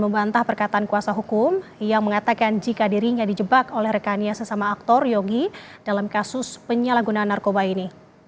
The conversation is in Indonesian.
belum diketahui apa saja rangkaian pemeriksaan kesehatan yang akan dilakukan